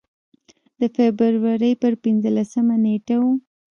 د فبروري پر پنځلسمه نېټه و.